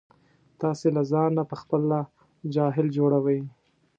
تاسې له ځانه په خپله جاهل جوړوئ.